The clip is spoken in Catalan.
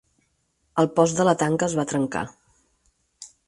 El post de la tanca es va trencar.